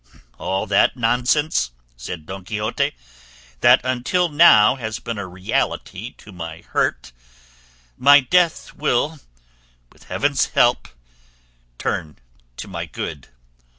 "All that nonsense," said Don Quixote, "that until now has been a reality to my hurt, my death will, with heaven's help, turn to my good.